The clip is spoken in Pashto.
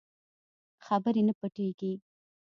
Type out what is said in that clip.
خبرې نه پټېږي.